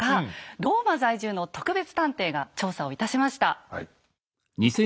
ローマ在住の特別探偵が調査をいたしました。